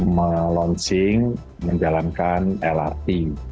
melonsing menjalankan lrt